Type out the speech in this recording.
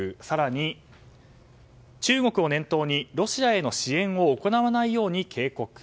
更に、中国を念頭にロシアへの支援を行わないように警告。